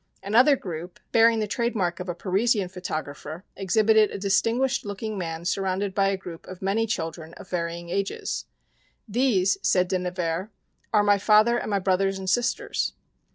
Another group, bearing the trade mark of a Parisian photographer, exhibited a distinguished looking man surrounded by a group of many children of varying ages. "These," said De Nevers, "are my father and my brothers and sisters."